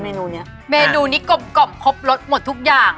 เมนูมีกรอบครบลดหมดทุกอย่าง